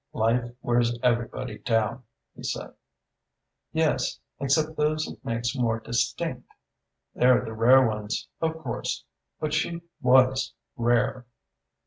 "Life wears everybody down," he said. "Yes except those it makes more distinct. They're the rare ones, of course; but she was rare."